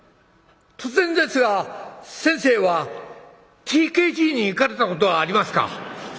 突然ですが先生はＴＫＧに行かれたことはありますか？」。